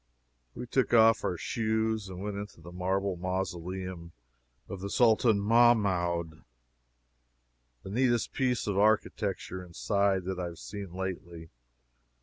We took off our shoes and went into the marble mausoleum of the Sultan Mahmoud, the neatest piece of architecture, inside, that I have seen lately.